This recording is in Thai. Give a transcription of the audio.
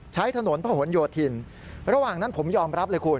ใช้ถนนพระหลโยธินระหว่างนั้นผมยอมรับเลยคุณ